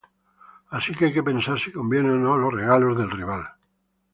Así que hay que pensar si conviene o no los "regalos" del rival.